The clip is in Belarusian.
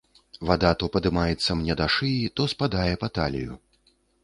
Вада то падымаецца мне да шыі, то спадае па талію.